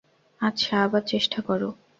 আচ্ছা, আবার চেষ্টা কর।